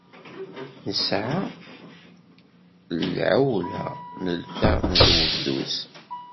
Nesɛa lɛewla n lkaɣeḍ n webduz.